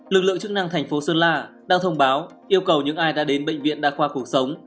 lực lượng chức năng thành phố sơn la đang thông báo yêu cầu những ai đã đến bệnh viện đa khoa cuộc sống